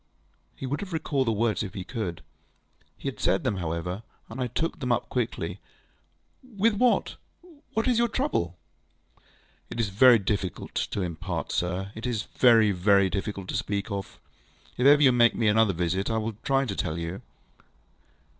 ŌĆØ He would have recalled the words if he could. He had said them, however, and I took them up quickly. ŌĆ£With what? What is your trouble? ŌĆØ ŌĆ£It is very difficult to impart, sir. It is very, very difficult to speak of. If ever you make me another visit, I will try to tell you.